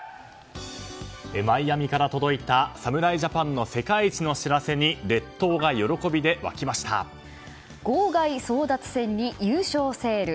マイアミから届いた侍ジャパンの世界一の知らせに号外争奪戦に優勝セール。